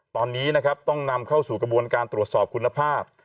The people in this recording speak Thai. ตอนนี้นะครับต้องนำเข้าสู่กระบวนการตรวจสอบคุณภาพ